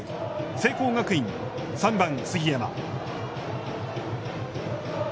聖光学院、３番杉山。